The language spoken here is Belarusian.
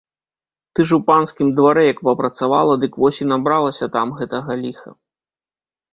Ты ж у панскім дварэ як папрацавала, дык вось і набралася там гэтага ліха.